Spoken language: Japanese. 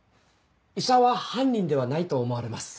医者は犯人ではないと思われます。